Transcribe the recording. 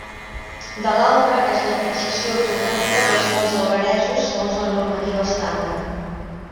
De l'altra, és la fixació ortogràfica dels mots algueresos segons la normativa estàndard.